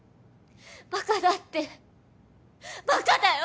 バカだってバカだよ！